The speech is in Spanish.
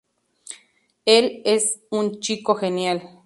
Él es un chico genial.